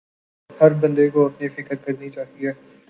ہر بندے کو اپنی فکر کرنی چاہئے